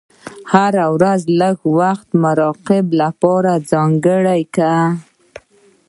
هره ورځ لږ وخت د مراقبې لپاره ځانګړی کړه.